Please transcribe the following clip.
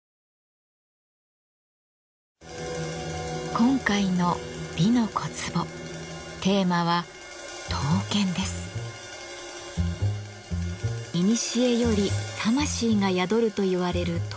今回の「美の小壺」テーマはいにしえより魂が宿るといわれる刀剣。